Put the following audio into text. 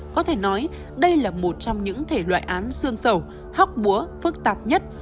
có thể nói đây là một trong những thể loại án xương sầu hóc búa phức tạp nhất